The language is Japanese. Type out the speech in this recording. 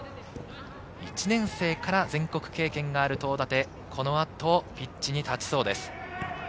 １年生から全国経験がある東舘、この後ピッチに立ちそうです。